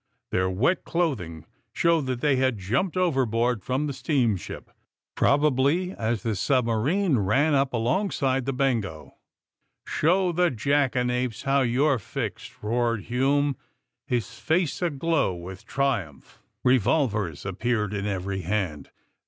Their wet clothing showed that they had jumped overboard from the steamship, probably as the submarine ran up alongside the ''Bengo." ''Show the jackanapes how you're fixed!" roared Hume, his face aglow with triumph. 234 THE SUBMAEINE BOYS Eevolvers appeared in every hand.